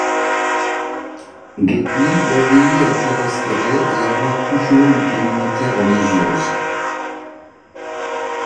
Depuis, l'abbaye a été restaurée et abrite toujours une communauté religieuse.